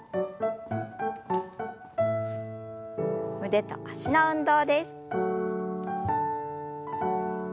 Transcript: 腕と脚の運動です。